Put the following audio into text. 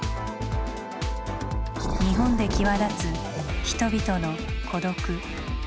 日本で際立つ人々の孤独。